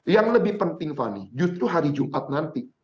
yang lebih penting fani justru hari jumat nanti